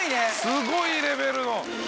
すごいレベルの。